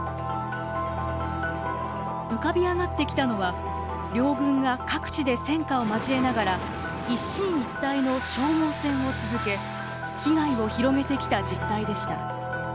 浮かび上がってきたのは両軍が各地で戦火を交えながら一進一退の消耗戦を続け被害を広げてきた実態でした。